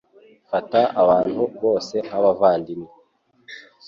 Fata abantu bose nkabavandimwe.